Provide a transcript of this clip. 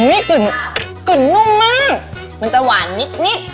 นี่กลุ่นกลุ่นนุ่มมากมันแต่หวานนิดนิด